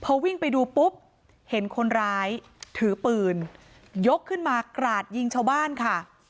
พอวิ่งไปดูปุ๊บเห็นคนร้ายถือปืนยกขึ้นมากราดยิงชาวบ้านค่ะ